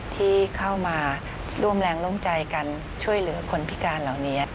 ที่เข้ามาร่วมแรงร่วมใจกันช่วยเหลือคนพิการเหล่านี้